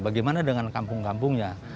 bagaimana dengan kampung kampungnya